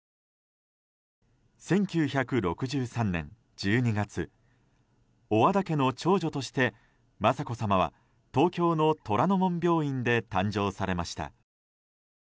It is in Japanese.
１９６３年１２月小和田家の長女として雅子さまは、東京の虎の門病院で誕生されました。